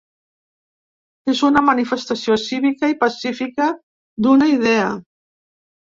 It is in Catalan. És una manifestació cívica i pacífica d’una idea.